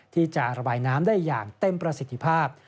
ที่จะระบายน้ำได้อย่างเต็มประสิทธิภาพ